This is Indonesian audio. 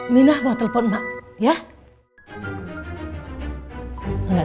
minah bawa telepon emak ya